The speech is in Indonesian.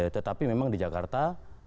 tetapi memang di jakarta